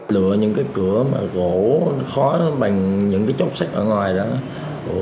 lựa những cái cửa mà gỗ khó bằng những cái chốc xích ở ngoài đó